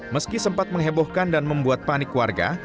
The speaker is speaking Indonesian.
meski sempat menghebohkan dan membuat panik warga